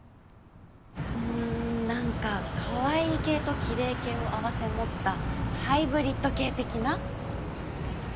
うんなんかカワイイ系とキレイ系を併せ持ったハイブリッド系的な。